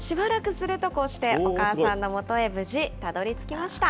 しばらくするとこうしてお母さんの元へたどりつきました。